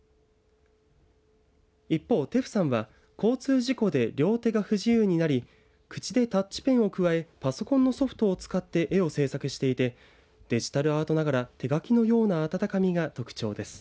一方、Ｔｅｆｕさんは交通事故で両手が不自由になり口でタッチペンをくわえパソコンのソフトを使って絵を制作していてデジタルアートながら手描きのような温かみが特徴です。